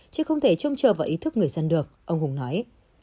chứ không thể trông chờ vào ý thức người dân được ông hùng nói